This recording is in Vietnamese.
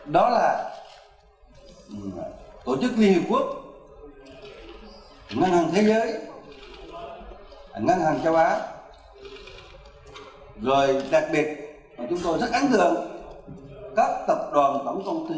đó là tổ chức liên hiệp quốc ngân hàng thế giới ngân hàng châu á rồi đặc biệt chúng tôi rất ấn tượng các tập đoàn tổng công ty lớn của nhân hàng thế giới